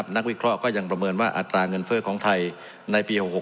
นักวิเคราะห์ก็ยังประเมินว่าอัตราเงินเฟ้อของไทยในปี๖๖